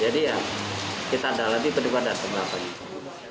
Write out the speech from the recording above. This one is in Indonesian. jadi ya kita adalah di penipuan dan pengelakuan